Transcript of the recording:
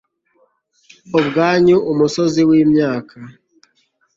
Ubwanyuma umusozi wimyaka